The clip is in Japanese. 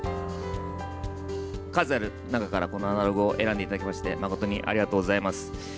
数ある中から、このアナログを選んでいただきまして、誠にありがとうございます。